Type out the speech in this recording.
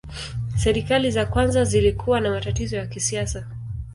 Serikali za kwanza zilikuwa na matatizo ya kisiasa.